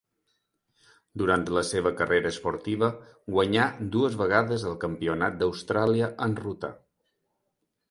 Durant la seva carrera esportiva guanyà dues vegades el Campionat d'Austràlia en ruta.